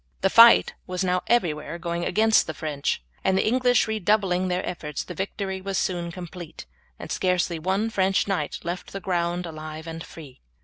The fight was now everywhere going against the French, and the English redoubling their efforts the victory was soon complete, and scarcely one French knight left the ground alive and free.